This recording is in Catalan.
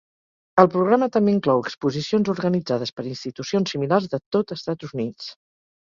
El programa també inclou exposicions organitzades per institucions similars de tot Estats Units.